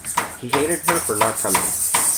He hated her for not coming.